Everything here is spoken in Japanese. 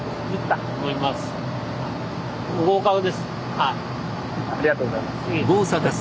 ありがとうございます。